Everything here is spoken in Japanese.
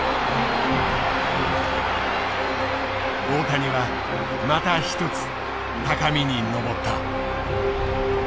大谷はまた１つ高みに上った。